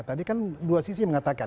tadi kan dua sisi mengatakan